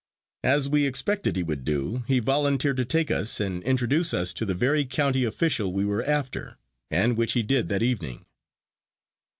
As we expected he would do, he volunteered to take us and introduce us to the very county official we were after, and which he did that evening.